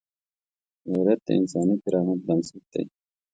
غیرت د انساني کرامت بنسټ دی